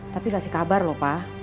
tapi masih kabar lho pa